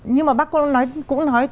nhưng mà bác cũng nói